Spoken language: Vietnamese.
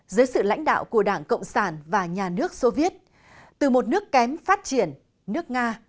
dưới sự lãnh đạo của đảng cộng sản và nhà nước soviet từ một nước kém phát triển nước nga